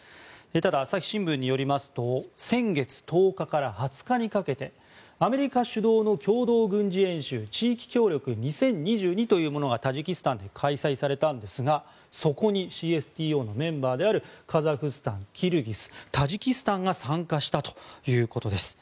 ただ、朝日新聞によりますと先月１０日から２０日にかけてアメリカ主導の共同軍事演習地域協力２０２２というものがタジキスタンで開催されたんですがそこにＣＳＴＯのメンバーであるカザフスタンキルギス、タジキスタンが参加したということです。